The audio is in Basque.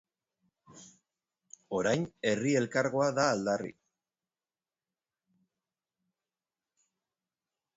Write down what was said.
Orain Herri Elkargoa da aldarri.